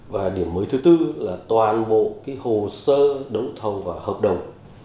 và điểm mới thứ tư là toàn bộ hồ sơ đấu thầu và hợp đồng